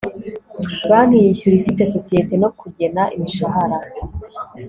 banki yishyura ifite sosiyete no kugena imishahara